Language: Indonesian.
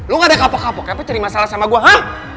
lo gak ada yang kapok kapok ya apa cari masalah sama gue ha